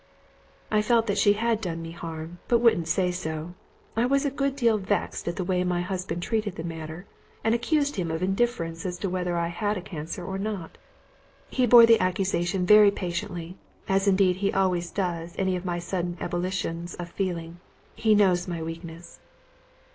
I felt that she had done me harm, but I wouldn't say so. I was a good deal vexed at the way my husband treated the matter, and accused him of indifference as to whether I had a cancer or not. He bore the accusation very patiently, as, indeed, he always does any of my sudden ebullitions of feeling. He knows my weakness.